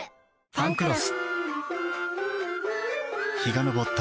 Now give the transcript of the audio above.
「ファンクロス」